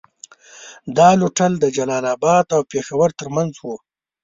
دا لوټول د جلال اباد او پېښور تر منځ وو.